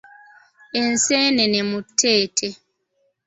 Enseenene mu tteete.